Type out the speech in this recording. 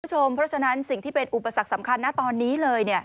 เพราะฉะนั้นสิ่งที่เป็นอุปสรรคสำคัญนะตอนนี้เลย